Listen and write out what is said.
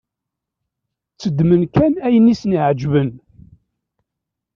Tteddmen kan ayen i sen-iεeǧben.